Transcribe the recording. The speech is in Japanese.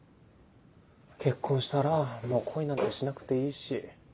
結婚したらもう恋なんてしなくていいし。